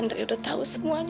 nri udah tahu semuanya